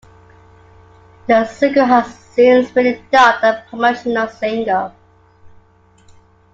The single has since been dubbed a promotional single.